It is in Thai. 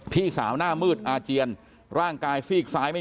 พี่สาวของเธอบอกว่ามันเกิดอะไรขึ้นกับพี่สาวของเธอ